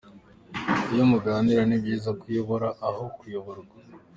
Iyo muganira, ni byiza ko uyobora aho kuyoborwa.